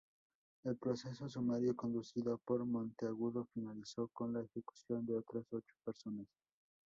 El proceso sumario conducido por Monteagudo finalizó con la ejecución de otras ocho personas.